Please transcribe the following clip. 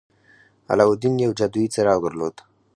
علاوالدين يو جادويي څراغ درلود.